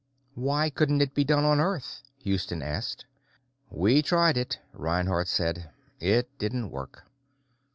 "Why couldn't it be done on Earth?" Houston asked. "We tried it," Reinhardt said. "It didn't work.